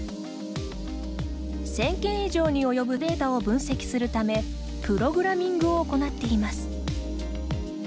１０００件以上におよぶデータを分析するためプログラミングを行っています。